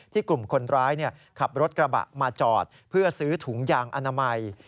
กลุ่มคนร้ายขับรถกระบะมาจอดเพื่อซื้อถุงยางอนามัย